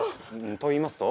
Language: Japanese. と言いますと？